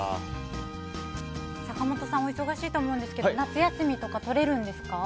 坂本さんはお忙しいと思うんですが夏休みとかとれるんですか？